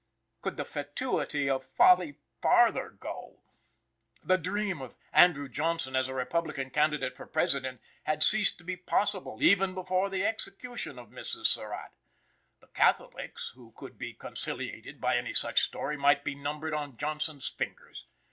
Could the fatuity of folly farther go? The dream of Andrew Johnson as a Republican candidate for President had ceased to be possible even before the execution of Mrs. Surratt. The Catholics who could be conciliated by any such story might be numbered on Johnson's fingers.